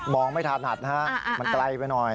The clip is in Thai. มองไม่ถาดหนัดค่ะมันไกลไปหน่อย